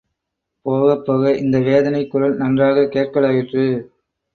போகப்போக இந்த வேதனைக் குரல் நன்றாகக் கேட்கலாயிற்று.